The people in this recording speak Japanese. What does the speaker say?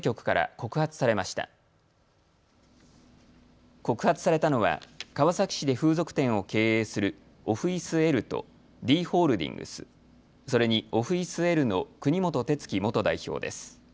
告発されたのは川崎市で風俗店を経営するオフイスＬとＤホールディングス、それにオフイスＬの国本哲樹元代表です。